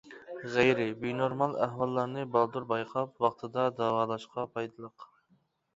غەيرىي بىنورمال ئەھۋاللارنى بالدۇر بايقاپ، ۋاقتىدا داۋالاشقا پايدىلىق.